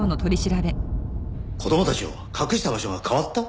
子供たちを隠した場所が変わった？